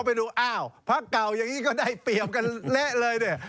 ไปดูอ้าวพักเก่าอย่างนี้ก็ได้เปรียบกันเละเลยเนี่ย